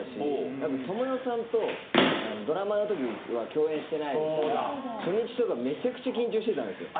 あと知世さんとドラマの時は共演してないですから初日とかめちゃくちゃ緊張してたんですよ。